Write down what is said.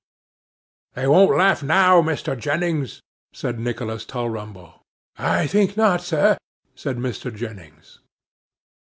'They won't laugh now, Mr. Jennings,' said Nicholas Tulrumble. 'I think not, sir,' said Mr. Jennings.